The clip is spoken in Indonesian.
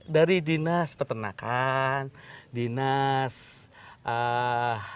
dari dinas peternakan dinas